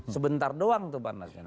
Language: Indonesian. sebentar doang tuh panasnya